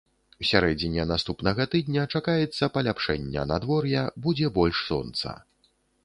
У сярэдзіне наступнага тыдня чакаецца паляпшэння надвор'я, будзе больш сонца.